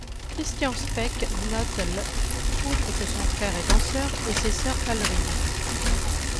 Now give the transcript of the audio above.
Christian Speck note l', outre que son frère est danseur et ses sœurs ballerines.